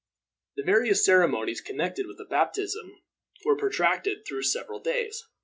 The various ceremonies connected with the baptism were protracted through several days.